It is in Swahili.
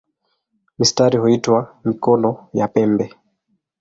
Mistari huitwa "mikono" ya pembe.